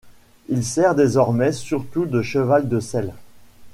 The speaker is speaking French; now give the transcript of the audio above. Il sert désormais surtout de cheval de selle.